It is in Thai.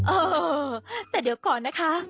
เออแต่เดี๋ยวก่อนนะคะ